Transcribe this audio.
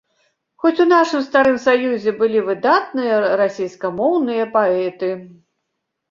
Хоць у нашым старым саюзе былі выдатныя расейскамоўныя паэты.